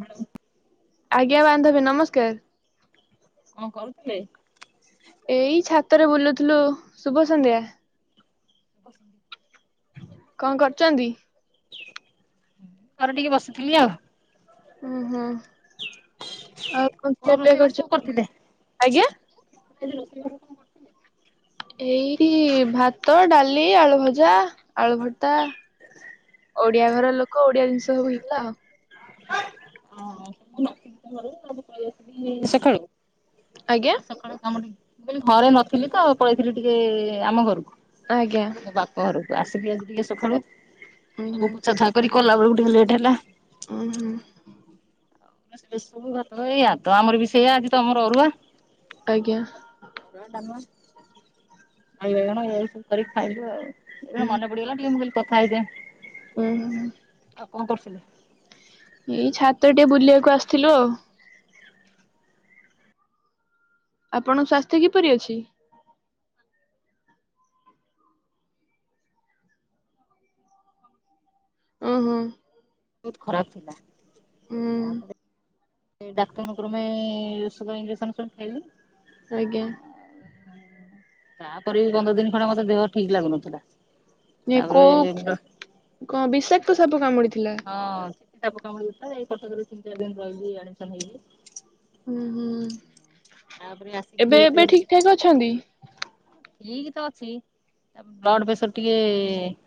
ହଁ ଆଜ୍ଞା ବାନ୍ଧବୀ ନମସ୍କାର। କଣ କରୁଥିଲେ? ଏଇ ଛାତରେ ବୁଲୁଥିଲୁ। ଶୁଭ ସନ୍ଧ୍ୟା। କଣ କରୁଛନ୍ତି? ଘରେ ଟିକେ ବସିଥିଲି ଆଉ। ହୁଁ ହୁଁ ଆଉ କଣ କରଛ? ଆଜ୍ଞା। କେ ଏଇଠି ଭାତ ଡାଲି ଆଳୁ ଭଜା ଆଳୁ ଭର୍ତା। ଓଡିଆ ଘର ଲୋକ ଓଡିଆ ଜିନିଷ ହେଇଥିଲା ଆଉ। ଓ ତମର କହି ଆସିବି ସକାଳୁ। ଆଜ୍ଞା? କ ଘରେ ନଥିଲି ତ ପଳେଇଥିଲି ଟିକେ ଆମ ଘରକୁ। ଆଜ୍ଞା। ମୋ ବାପ ଘରକୁ ଆସିକି ଆଜି ଟିକେ ସକାଳୁ ଉଁ ହୁଁ ସବୁ ପୋଛା ଛା କରି କଲା ବେଳକୁ ଟିକେ ଲେଟ୍ ହେଲା। ଓ ହୋ ସବୁ ଭଇ ୟଦ ତ ଆମର ବି ସେଇୟ ଆଜି ତମର ଅରୁଆ। ଆଜ୍ଞା ଦହି ବାଇଗଣ ଏ ସବୁ କରିକି ଖାଇଲୁ ଆଉ। ଏ ମନେ ପୁଡିଗଲା ମୁଁ କହିଲି କଥା ହେଇଯାଏ। ଉଁ ହୁଁ ହୁଁ। ଆଉ କଣ କରୁଥିଲେ। ଏଇ ଛାତ ଟିକେ ବୁଲିବାକୁ ଆସିଥିଲୁ ଆଉ। ଆପଣଙ୍କ ସ୍ୱାସ୍ଥ୍ୟ କିପରି ଅଛି। ହୁଁ ହୁଁ। ବତ ଖରାପ ଥିଲା ହୁଁ ତାପରେ। ଡାକ୍ଟର କର୍ମୀ ମ ସୁଗର ଞଜେକ୍ସନ ସ ଖାଇଲି। ଆଜ୍ଞା। ତାପରେ ବି ପନ୍ଦର ଦିନ ଖଣ୍ଡି ହବ ମତେ ଦେହ ଠିକ ଲାଗୁନଥିଲା। ତାପରେ କୋଉ ହଁ କଣ ବିଷାକ୍ତ ସାପ କାମୁଡିଥିଲା? ହଁ ଚିତି ସାପ କାମୁଢି ଏଇ କଟକରେ ତିନି ଚାରି ଦିନ ରହିଲି ଆଡମିନ ହେଇି। ହୁଁ ହୁଁ ତାପରେ ଆସିକି ଏବେ ଏବେ ଠିକ୍ ଠାକ ଅଛନ୍ତି। ଠିକ ତ ଅଛି। ଆ ବ୍ଲଡ ପ୍ରେସର ଟିକେ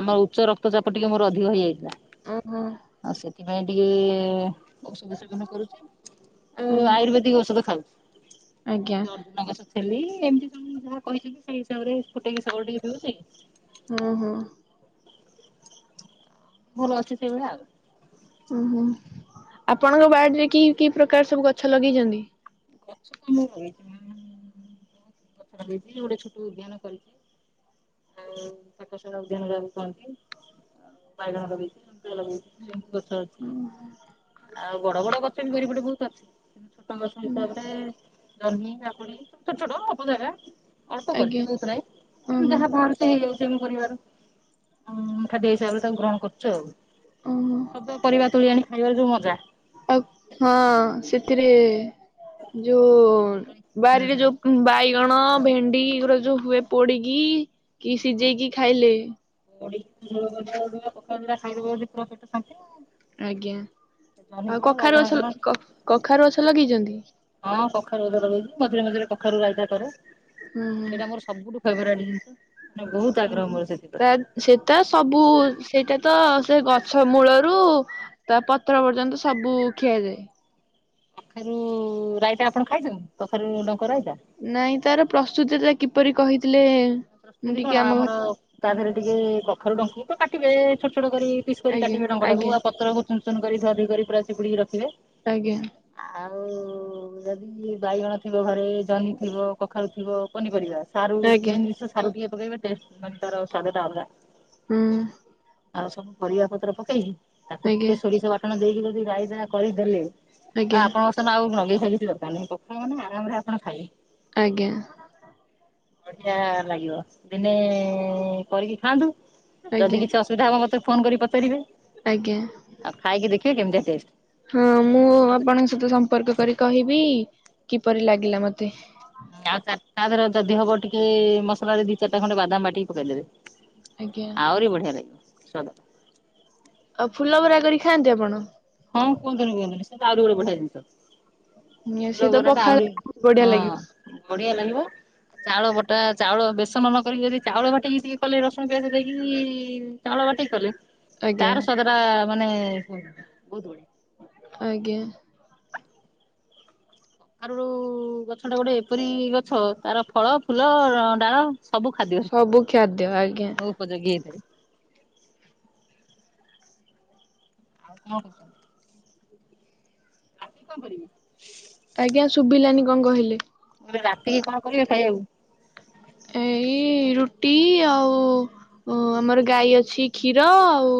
ଆମର ଉଚ୍ଚ ରକ୍ତଚାପ ଟିକେ ମୋର ଅଧିକ ହେଇଯାଇଥିଲା। ଓ ହୋ। ଆଉ ସେଥିପାଇଁ ଟିକେ ଔଷଧ ସେବନ କରୁଛି ଆଉ ହୁଁ ହୁଁ ଆୟୁର୍ବେଦିକ ଔଷଧ ଖାଉଛି। ଆଜ୍ଞା ଅର୍ଜୁନ ଗଛ ଥିଲ ଏମିତି ତ ଯାହା କହିଥିଲି ସେଇ ହିସାବରେ ଫୋଟେକ ସେଳ ଟ ଥିବ ସେ ହୁଁ ହୁଁ। ମୋର ଅଛି ସେଇଭଳିଆ ଆଉ। ହୁଁ ହୁଁ ଆପଣଙ୍କ ବୱାର୍ଡରେ କି କି ପ୍ରକାର ସବୁ ଗଛ ଲଗେଇଛନ୍ତି। ଗଛ ତମ ଲଗେଇଛି ମ ବ ଗଛ ଲଗେଇଛି ଗୋଟେ ଛୋଟ ଉଦାନ କରିଛି। ଆକାଶାନ ଯାଉନ୍ତି। ବାଇ ହଲେଇି ହଲ ଗ [unintelligible] ଉଁ ହା। ଆଉ ବଡ ବଡ ଗଛ, ଏମି ବାରି ପଟେ ବୁଲତା, କିନ୍ତୁ ଛୋଟ ଗଛ ଏଇ ତାପେ ଜହ୍ନି, କାକୁଡି, ଛୋଟ ଛୋଟ ଅପ ଜାଗା, ଅଳ୍ପ ଆଜ୍ଞା କରିଛି। ବହୁତ ନାହିଁ, ଉଁ କିନ୍ତୁ ହୁଁ ଯାହା ବାହାରୁଚି ହେଇଯାଉଛି ଆମ ପରିବାର, ଉମ୍ ଖାଦ୍ୟ ହିସାବରେ ତାକୁ ଗ୍ରହଣ କରୁଛୁ ଆଉ। ଉଁ ହୁଁ ସଜ ପରିବା ତୁଳି ଆଣି ଖାଇବାରେ ଯୋଉ ମଜା! ଆଉ, ହଁ ସେଥିରେ, ଯୋଉ ହୁଁ। ବାରିରେ ଯଉ ବାଇଗଣ, ଭେଣ୍ଡି, ଏଗୁରା ଯୋଉ ହୁଏ, ପୋଡିକି, କି ସିଝେଇକି ଖାଇଲେ ପୋଡିକି ଝୁଳ କରିଦବ, [unintelligible] ପଖାଳ ଦିଟା ଖାଇଦବ ଯଦି, ପୁରା ପେଟ ଶାନ୍ତି ଆଉ। ଆଜ୍ଞା! ଜହ୍ନି ଆଉ କଣ କଖାରୁ ବାଇଗଣ କଣ ଗଛ, କଖାରୁ ଗଛ ଲଗେଇଛନ୍ତି? ହଁ, କଖାରୁ ଗଛ ଲଗେଇଛି। ମଝିରେ ମଝିରେ କଖାରୁ ରାଇତା କରେ। ହୁଁ ହୁଁ ଏଇଟା ମୋର ସବୁଠୁ ଫେବରାରୀ ନେ ବହୁତ ଆଗ୍ରହ ହୁଁ, ମୋର ତା ସେଥିପ୍ରତି। ସେତ ସବୁ, ସେଇଟା ତ ସେ ଗଛ ମୂଳରୁ ତା, ପତ୍ର ପର୍ଯ୍ୟନ୍ତ ସବୁ-ଉ ଖିଆଯାଏ। କଖାରୁ-ଉ ରାଇତା ଆପଣ ଖାଇଛନ୍ତି? କଖାରୁ ଡଙ୍କ ରାଇତା! ନାଇଁ, ତାର ପ୍ରସ୍ତୁତି ତା, କିପରି କହିଥିଲେଁ ପ୍ରସ୍ତୁତି କଣ, ଆମର ତା, ଧେରେ ଟିକେ କଖାରୁ ଡଙ୍କ କୁତ କାଟିବେ, ଛୋଟ ଛୋଟ କରି ପିସ୍ କରି ଆଜ୍ଞା କାଟିବେ, ଡଙ୍କଟାକୁ। ଆଜ୍ଞା ଆଉ, ପତ୍ର କୁ ଚୁନ୍ ଚୁନ୍ କରି ଧୁଆ ଧୁଇ ଧରି ପୁରା ଚିପୁଡ଼ିକି ରଖିବେ। ଆଜ୍ଞା। ଆଉ-ଉ ଯଦି ବାଇଗଣ ଥିବ ଘରେ, ଜହ୍ନି ଥିବ, କଖାରୁ ଥିବ ପନିପରିବା ସାରୁ ମେନ୍ ଆଜ୍ଞା ଜିନିଷ ସାରୁ ଟିକେ ପକେଇବେ, ଟେଷ୍ଟ ମାନେ ତାର ସ୍ୱାଦ ଟା ଅଲଗା। ହୁଁ। ଆଉ ସବୁ ପରିବା ପତ୍ର ପକେଇକି, ତାକୁ ଆଜ୍ଞା ଟିକେ ସୋରିଷ ବାଟ୍ ଣ ଦେଇକି ଯଦି ରାଇତା କରିଦେଲେ! ଆଜ୍ଞା ଆଉ ଆପଣଙ୍କ ସ [unintelligible] ଆଉ ନଗେଇଖିଆ କିଛି ଦରକାର ନାହିଁ। ପଖାଳ ମାନେ ଆରାମରେ ଆପଣ ଖାଇବେ। ଆଜ୍ଞା। ବଢିଆ ଲାଗିବ। ଦିନେ-ଏଁ କରିକି ଖାଆନ୍ତୁ। ଆଜ୍ଞା ଯଦି କିଛି ଅସୁବିଧା ହବ, ମୋତେ ଫୋନ୍ କରି ପଚାରିବେ। ଆଜ୍ଞା। ଆଉ, ଖାଇକି ଦେଖିବେ, କେମିତିଆ ଟେଷ୍ଟ? ହଁ, ମୁଁ ଆପଣଙ୍କ ସହିତ ସମ୍ପର୍କ କରି କହିବି, କିପରି ଲାଗିଲା ମତେ? ଆଉ ଚାରିଟା ଧର ଯଦି ହବ ଟିକେ-ଏ, ମସଲାରେ ଦି ଚାରିଟା ଖଣ୍ଡେ ବାଦାମ ବାଟିକି ପକେଇଦେବେ। ଆଜ୍ଞା ଆଉରିି ବଢଆଲାଗି ସ୍ୱାଦ। ଆଉ, ଫୁଲ ବରା କରି ଖାଆନ୍ତି ଆପଣ? ହଁ, କୁହିନ୍ତୁନି କୁହନ୍ତିନି। ସେ, ତ ଆଉରି ଗୋଟ ବଢିଆ ଜିନିଷ! ଫୁଲ ସିଏ ତ ବରା ଟା ପଖାଳ ଆହୁରି ବଢିଆ ହଁ, ଲାଗିବ ବଢିଆ ଲାଗିବ। ଚାଉଳ ବଟା, ଚାଉଳ ବେସନ ନକରି ଯଦି ଚାଉଳ ବାଟିକି ଟିକେ କଲେ, ରସୁଣ ପିଆଜ ଦେଇକି-ଇ ଚାଉଳ ବାଟିକି କଲେ, ଆଜ୍ଞା ତାର ସ୍ୱାଦଟା-ଆ ମାନେ-ଏ ବହୁତ ବଢିଆ। ଆଜ୍ଞା। ଆରୁ-ଉ ଗଛଟା ଗୋଟେ ଏପରି ଗଛ, ତାର ଫଳ, ଫୁଲ, ଡାଳ ସବୁ ଖାଦ୍ୟରେ, ସବୁ ଖାଦ୍ୟ ଆଜ୍ଞା ଉପଯୋଗୀ ହେଇଥାଏ। ଆଉ କଣ କ? କଁ କରିବି? ଆଜ୍ଞା! ଶୁଭିଲାନି କଣ କହିଲେ? ରାତିକି କଣ କରିବେ ଖାଇଆକୁ? ଏଇ ରୁଟି ଆଉ ଓ! ଆମର ଗାଈ ଅଛି କ୍ଷୀର ଆଉ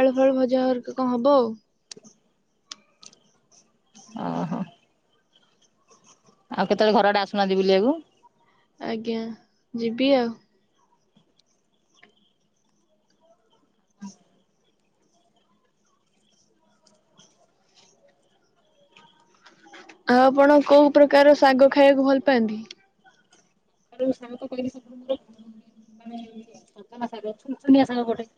ଆଳୁ-ଫାଳୁ ଭଜା କଣ ହବ ଆଉ ଓ ହୋ! ଆଉ କେତେବେଳେ ଘର ଆଡେ ଆସୁନାନ୍ତି ବୁଲିବାକୁ। ଆଜ୍ଞା! ଯିବି ଆଉ ହଁ ଆଉ ଆପଣ କୋଉ ପ୍ରକାର ସାଗ ଖାଇବାକୁ ଭଲ୍ ପାନ୍ତି ତାର ସାଙ୍ଗ କହିଲି ସପନରେ [inaudible] ତାର ଛୁନ୍ଛୁନିଆ ସାଗ ଗୋଟେ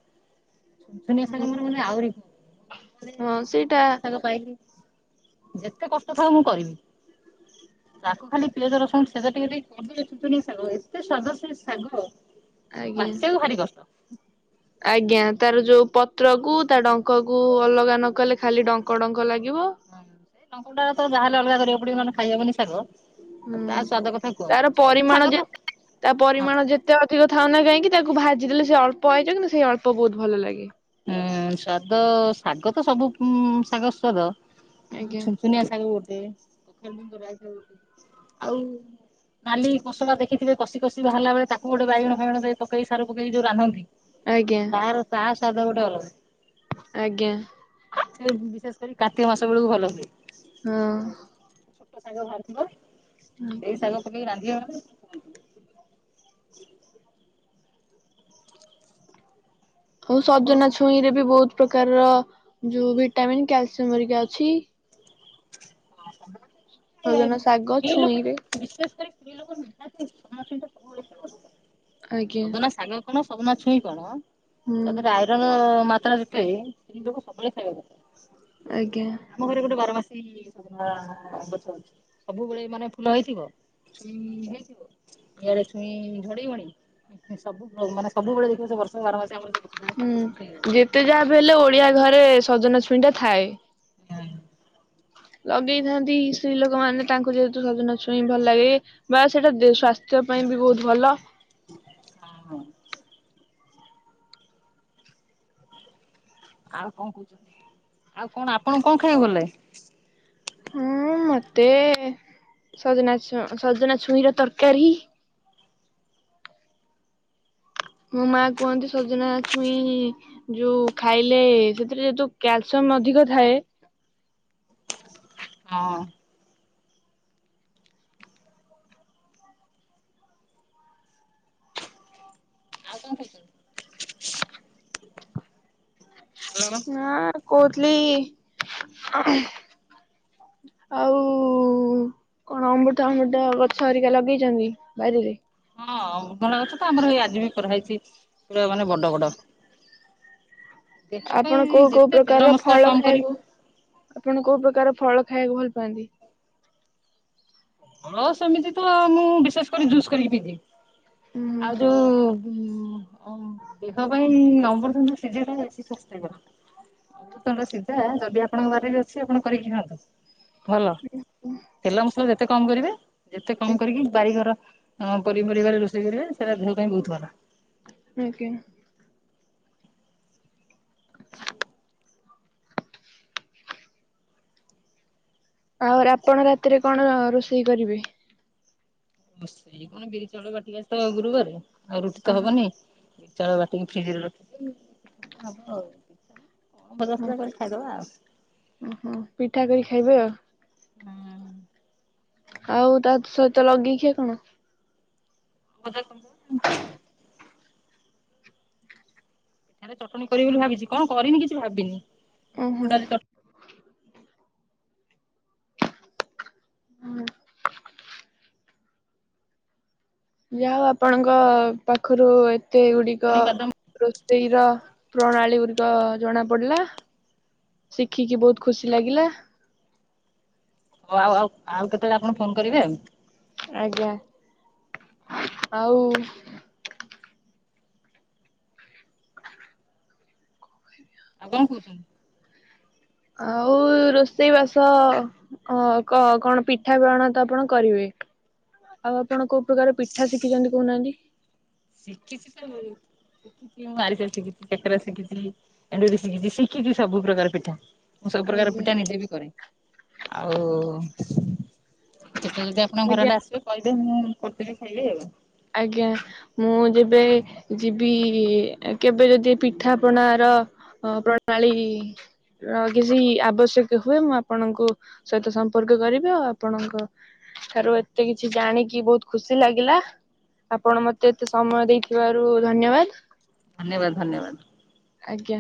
ଶୁନସୁନିଆ ଶାଗ ରେ ଆହୁରି ଶୁନ୍ ହଁ ସେଇଟା ଶୁନିଆ ଶାଗ ପାଇ, ଯେତେ କଷ୍ଟ ଥାଉ ମୁଁ କରିବି ତାକୁ ଖାଲି ପିଆଜ, ରସଣ, ତେଲ ଦେଇ ଟିକେ କରିଦେଲେ ଶୁନି ଶାଗ ଏତେ ସ୍ୱାଦ ସେ ସାଗ, ଆଜ୍ଞା। ବାଛିବାକୁ ଭାରି କଷ୍ଟ ଆଜ୍ଞା, ତାର ଯୋଉ ପତ୍ର କୁ ତା ଡଙ୍କ କୁ ଅଲଗା ନ କଲେ ଖାଲି ଡଙ୍କ ଡଙ୍କ ଲାଗିବ ଲଙ୍କୁଣ୍ଡା ଟା ତ ଯାହା ର ଅଲଗା କରିବାକୁ ପଡିବ ନହେଲେ ଖାଇ ହବନି ଶାଗ ଆ ହୁଁ ତା ସ୍ଵାଦ କଥା କୁହନ୍ତି ତାର ନି ସବୁ ଶାଗ ତ, ହଁ ତେ ଅଧିକ ଥାଉ ନା କାହିଁକି ତାକୁ ଭାଜି ଦେଲେ ସେ ଅଳ୍ପ ହେଇଯିବ କିନ୍ତୁ ସେଇ ଅଳ୍ପ ବହୁତ ଭଲ ଲାଗେ ହୁଁ! ସ୍ଵାଦ ଶାଗ ତ ସବୁ ଉଁ ଶାଗ ସ୍ୱାଦ କିନ୍ତୁ ଆଜ୍ଞା ଛିନ୍ ସୁନିଆ ଶାଗ ଗୋଟେ ଉଁ ଆଉ ନାଲି କୋଶଳା ଦେଖିଥିବେ, କଷି-କଷି ବାହାରିଲା ବେଳେ ତାକୁ ଗୋଟେ ବାଇଗଣ-ଫାଇଗଣ ଦେଇ ପକେଇ ସାରୁ ପକେଇ ଯଉ ରାନ୍ଧନ୍ତି ଆଜ୍ଞା ଆର ତା ସ୍ୱାଦ ଗୋଟେ ଅଲଗା ଆଜ୍ଞା ଏଇ ବିଶେଷ କରି କାର୍ତିକ ମାସ ବେଳକୁ ଭଲ ସିଏ ହଁ ଛୋଟ ଶାଗ ଭାଜିବ ସେଇ ଶାଗ ପକେଇ ରାନ୍ଧିବ ମାନେ ହଉ, ସଜନା ଛୁଇଁ ରେ ବି ବହୁତ ପ୍ରକାରର ଯୋଉ ଭିଟାମିନ୍, କ୍ୟାଲସିୟମ ହେରିକା ଅଛି ସେ ସଜନା ଶାଗ ଦି ଲୋକ ଛୁଇଁରେ [unintelligible] ଶେ ସେଇ ଦି ଲକୋ ସମ ସହିତ ଆଜ୍ଞା ସଦନା ସାଙ୍ଗ [unintelligible] କଣ ସଜନା ଛୁଇଁ କଣ ହୁଁ। ତା ଦେହରେ ଆଇରନ୍ ମାତ୍ରା ଯେତେ, ସେଥି ଯୋଗୁ ସବୁବେଳେ ଖାଇବା ଦରକାର ଆଜ୍ଞା ଆମ ଘରେ ଯୋ ଯୋ ବାରମାସୀ ହେଇ ଅହିଁ ସବୁବେଳେ ମାନେ ଫୁଲ ହେଇଥିବ ଇଆଡେ ଛୁଇଁ ଝଡିବଣି ସବୁ ମାନେ ସବୁବେଳେ ଦେଖିବ ବର୍ଷ ବାର ମଶୀ ଆମର ଦେଖ ସେ ଅଛି [unintelligible] ଏତେ ଯାହାବି ହେଲେ ଓଡିଆ ଘରେ ସଜନା ଛୁଇଁଟା ଥାଏ ହୁଁ! ଲଗେଇଥାନ୍ତି, ସ୍ତ୍ରୀ ଲୋକ ମାନେ ତାଙ୍କୁ ଯେହେତୁ ସଜନା ଛୁଇଁ ଭଲ ଲାଗେ ବା, ସେଟା ଦି ସ୍ୱାସ୍ଥ୍ୟ ପାଇଁ ବି ବହୁତ ଭଲ ହିଁ ହିଁ ଆଉ କଣ କହୁଛନ୍ତି? ଆଉ କଣ ଆପଣ ଙ୍କୁ ଖାଇବାକୁ ଭଲ ଲାଗେ? ହୁଁ ମତେ ସଜନା ଛୁ, ସଜନା ଛୁଇଁ ର ତରକାରୀ ମୋ ମାଁ କୁହନ୍ତି ସଜନା ଛୁଇଁ ଯୋଉ ଖାଇଲେ ସେଥିରେ ଯୋ କ୍ୟାଲସିୟମ ଅଧିକ ଥାଏ ହଁ! ଆଉ କଣ ଖାଇଛୁ? ଗଲବା ନା କହୁଥିଲି ଆଉ କଣ ଅମୃତ ଭଣ୍ଡା ଗଛ ହରିକା ଲଗେଇଛନ୍ତି ବାରିରେ? ହଁ ଅମୃତ ଭଣ୍ଡା ଗଛ ତ ଆମର ଏଇ ଆଜି ବି କରାହେଇଛି ପୁରା ମାନେ ବଡ ବଡ। ଦେହ ପାଇଁ ଆପଣ କୋଉ କୋଉ ଯେତେ ତେଲ ପ୍ରକାରର ମସଲା ଫଳ କମ କରି ଖାଇବାକୁ ଆପଣ କୋଉ ପ୍ରକାର ଫଳ ଖାଇବାକୁ ଭଲ ପାଆନ୍ତି? ହଁ ସେମିତି ତ ମୁଁ ବିଶେଷ କରି ଜୁସ୍ କରିକି ପିଇଦିଏ। ହୁଁ ଆଉ ଯୋଉ ହୁଁ, ଆଉ ଦେହ ପାଇଁ ଅମୃତଭଣ୍ଡା ସିଝାଟା ବେଶି ପୃଷ୍ଟିକର। ଅମୃତ ଭଣ୍ଡା ସିଝା ଯଦି ଆପଣଙ୍କ ବାରିରେ ଅଛି ଆପଣ କରିକି ଖାଆନ୍ତୁ। ଭଲ, ତେଲ ମସ କମ୍ କରିବେ। ଯେତେ କମ ଆଜ୍ଞା କରିକି ବାରିଘର ପନିପରିବାରେ ରୋଷେଇ କରିବେ ସେଟା ଦେହ ପାଇଁ ବହୁତ ଭଲ। ଆଜ୍ଞା। ଆଉ ଆପଣ ରାତିରେ କଣ ରୋଷେଇ କରିବେ? ସିଏ କଣ ବିରି ଚାଉଳ ବାଟିକି ଆଜିତ ଗୁରୁବାରେ ଆଉ ରୁଟି ତ ଓହୋ ହବନି ବିରି ଚାଉଳ ବାଟିକି ଫ୍ରିଜ ରେ ରଖିଛି ପିଠା ପିଠା ହବ ଆଉ। କଣ ଭଜା ଫଜା କରି ଖାଇଦବା ଆଉ। ଉଁ ହୁଁ ପିଠା କରି ଖାଇବେ ଆଉ। ଆଉ ତା ସହିତ ଲଗେଇଖିଆ କଣ? ଅଦା ଖଣ୍ଡ ପିଠାରେ ଚଟଣି କରିବି ବୋଲି ଭାବିଛି। କଣ କରିବି କିଛି ଭାବିନି। ଏ ଓହୋ ବୁଟଡାଲି ଚ ଯାହା ହଉ ଆପଣଙ୍କ ପାଖରୁ ଏତେ ଗୁଡିକ ଚଟଣି ବାଦାମ ରୋ ଷେଇ ର ପ୍ରଣାଳୀ ଗୁଡିକ ଜଣା ପଡିଲା। ଶିଖିକି ବହୁତ ଖୁସି ଲାଗିଲା। ହଉ ଆଉ ଆଉ ଆଉ କେତେବେଳେ ଆପଣ ଫୋନ କରିବେ ଆଉ। ଆଜ୍ଞା, ହଉ ଆଉ କଣ କହୁଛନ୍ତି? ଆଉ ରୋଷେଇ ବାସ ଅ କ କଣ ପିଠା ପଣାତ ଆପଣ କରିବେ, ଆଉ ଆପଣ କୋଉ ପ୍ରକାର ପିଠା ଶିଖିଛନ୍ତି କହୁନାହାନ୍ତି। ଶିଖିଛି ସବୁ। ସିକି ମୁଁ ଆରିସା ଶିଖିଛି କାକେରା ଶିଖିଛି ଏଣ୍ଡୁରି ଶିଖିଛି। ଶିଖିଛି ସବୁ ପ୍ରକାର ପିଠା। ମୁଁ ସବୁ ପ୍ରକାର ଆଜ୍ଞା ପିଠା ନିଜେ ବି କରେ, ଆଉ କେବେ ଯଦି ଆପଣ ଆଜ୍ଞା ଘରଆଡେ ଆସିବେ କହିବେ ମୁଁ କରିଦେବି ଖାଇବେ ଆଉ। ଆଜ୍ଞା। ମୁଁ ଯେବେ ଯିବି କେବେ ଯଦି ପିଠାପଣାର ଅ ପ୍ରଣାଳୀ ର କିଛି ଆବଶ୍ୟକ ହୁଏ ମୁଁ ଆପଣଙ୍କୁ ସହିତ ସମ୍ପର୍କ କରିବି ଆଉ ଆପଣଙ୍କ ଠାରୁ ଏତେ କିଛି ଜାଣିକି ବହୁତ ଖୁସି ଲାଗିଲା। ଆପଣ ମତେ ଏତେ ସମୟ ଦେଇଥିବାରୁ ଧନ୍ୟବାଦ। ଧନ୍ୟବାଦ ଧନ୍ୟବାଦ। ଆଜ୍ଞା।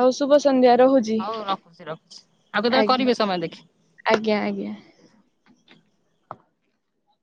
ଆଉ ଶୁଭ ସନ୍ଧ୍ୟା ରହୁଛି। ହଉ ରଖୁଚି ରଖୁଚି ଆଉ କେତେବେଳେ ଆଜ୍ଞା କରିବେ ସମୟ ଦେଖିକି। ଆଜ୍ଞା ଆଜ୍ଞା।